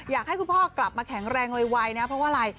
อยากให้คุณพ่อกลับมาแข็งแรงไวนะเพราะว่าอะไร